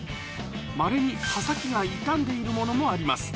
まれに葉先が傷んでいるものもあります